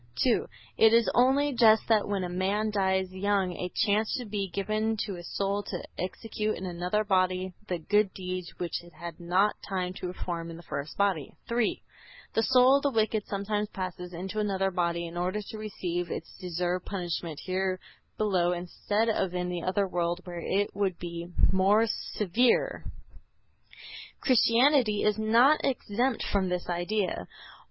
(2) it is only just that when a man dies young a chance should be given to his soul to execute in another body the good deeds which it had not time to perform in the first body; (3) the soul of the wicked sometimes passes into another body in order to receive its deserved punishment here below instead of in the other world where it would be much more severe. (Commentary on Deuteronomy, XXV, 5.) Christianity is not exempt from this idea.